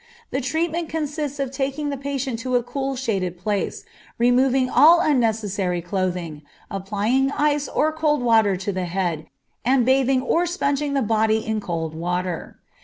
The treatment consists of taking the patient to a cool, shaded place, removing all unnecessary clothing, applying ice or cold water to the head, and bathing or sponging the body in cold water.